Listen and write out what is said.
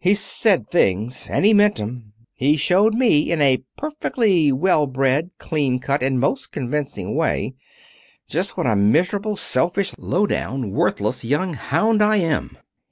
"He said things. And he meant 'em. He showed me, in a perfectly well bred, cleancut, and most convincing way just what a miserable, selfish, low down, worthless young hound I am."